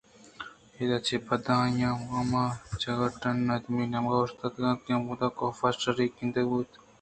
اِد ا چہ پد آ مان چکرّاں کڈّکے ءِ دومی نیمگءَ اوشتات اَنت کہ ہمودا کاف شرّی ءَ گندگ بوت